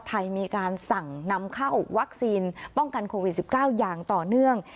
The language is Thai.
ไทยมีการสั่งนำเข้าวัคซีนป้องกันโควิด๑๙อย่างต่อเนื่อง